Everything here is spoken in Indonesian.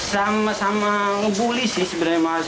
sama sama ngebully sih sebenarnya mas